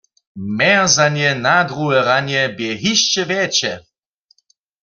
Mjerzanje na druhe ranje bě hišće wjetše.